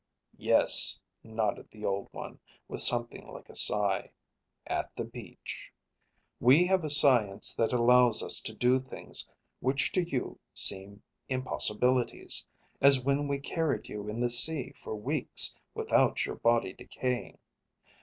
"Yes," nodded the Old One, with something like a sigh, "at the beach. We have a science that allows us to do things which to you seem impossibilities, as when we carried you in the sea for weeks without your body decaying.